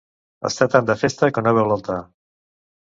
Estar tant de festa que no veu l'altar.